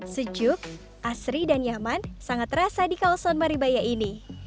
sejuk asri dan nyaman sangat terasa di kawasan maribaya ini